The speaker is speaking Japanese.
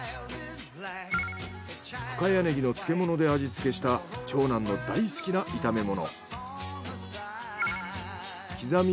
深谷ネギの漬物で味付けした長男の大好きな炒め物。